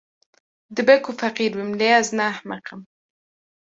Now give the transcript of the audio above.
Dibe ku feqîr bim, lê ez ne ehmeq im.